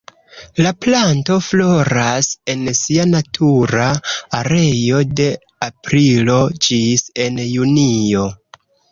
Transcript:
La planto floras en sia natura areo de aprilo ĝis en junio.